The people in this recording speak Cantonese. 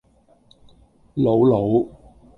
瑙魯